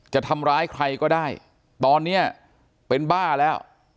จะทำร้ายใครก็ได้ตอนนี้เป็นบ้าแล้ว